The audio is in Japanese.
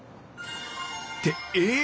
ってええっ！